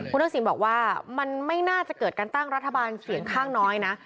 คุณทักษิณบอกว่ามันไม่น่าจะเกิดการตั้งรัฐบาลเสียงข้างน้อยนะ